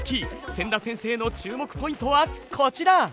千田先生の注目ポイントはこちら！